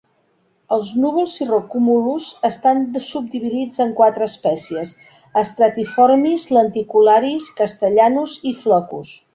Els núvols cirrocúmulus estan subdividits en quatre espècies: "stratiformis", "lenticularis", "castellanus" i "floccus".